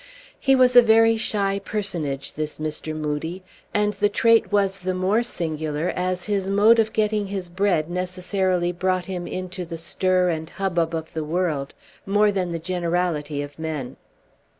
He was a very shy personage, this Mr. Moodie; and the trait was the more singular, as his mode of getting his bread necessarily brought him into the stir and hubbub of the world more than the generality of men.